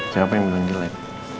siapa yang beli yang jelek